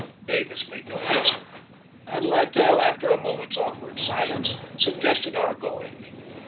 Davis made no answer, and Littell, after a moment's awkward silence, suggested our going.